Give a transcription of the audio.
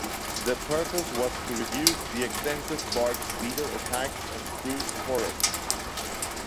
The purpose was to reduce the extensive bark beetle attacks on spruce forests.